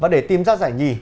để tìm ra giải nhì